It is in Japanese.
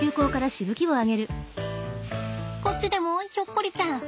こっちでもひょっこりちゃん。